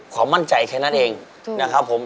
ความมั่นใจแค่นั้นเองนะครับผม